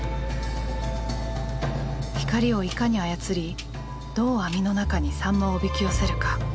光をいかに操りどう網の中にサンマをおびき寄せるか。